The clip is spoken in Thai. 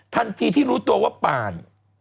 ทันทีที่รู้ตัวว่าป่าน